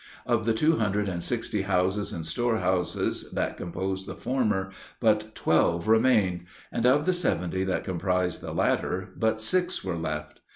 Of the two hundred and sixty houses and storehouses, that composed the former, but twelve remained; and of the seventy that comprised the latter, but six were left.